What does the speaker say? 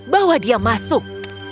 bawa dia masuk